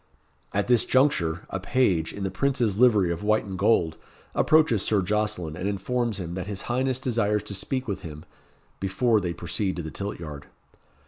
At this juncture, a page, in the Prince's livery of white and gold, approaches Sir Jocelyn, and informs him that his highness desires to speak with him before they proceed to the tilt yard.